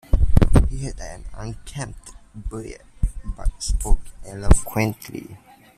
He had an unkempt beard but spoke eloquently.